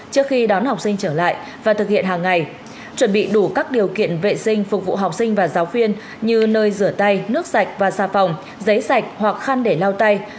trước khi đón học sinh trở lại và thực hiện hàng ngày chuẩn bị đủ các điều kiện vệ sinh phục vụ học sinh và giáo viên như nơi rửa tay nước sạch và xà phòng giấy sạch hoặc khăn để lao tay